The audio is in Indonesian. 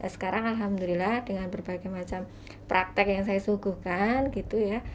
sekarang alhamdulillah dengan berbagai macam praktek yang saya suguhkan gitu ya